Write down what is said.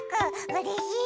うれしい！